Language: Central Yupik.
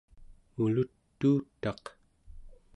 mulut'uutaq